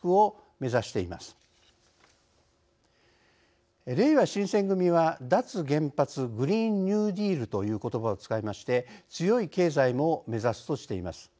れいわ新選組は「脱原発グリーン・ニューディール」ということばを使いまして強い経済も目指すとしています。